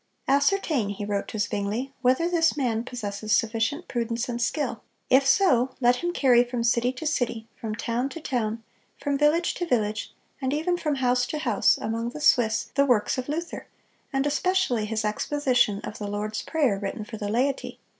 "Ascertain," he wrote to Zwingle, "whether this man possesses sufficient prudence and skill; if so, let him carry from city to city, from town to town, from village to village, and even from house to house, among the Swiss, the works of Luther, and especially his exposition of the Lord's prayer written for the laity.